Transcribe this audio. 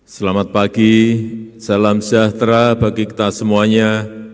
selamat pagi salam sejahtera bagi kita semuanya